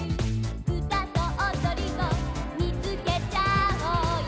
「うたとおどりを見つけちゃおうよ」